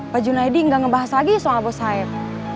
pak junaedi gak ngebahas lagi soal bos saeb